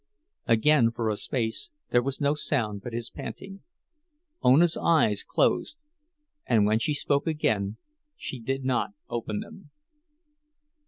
Again, for a space, there was no sound but his panting. Ona's eyes closed and when she spoke again she did not open them.